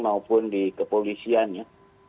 maupun di kepolisian ya